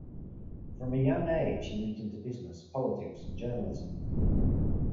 From a young age he went into business, politics and journalism.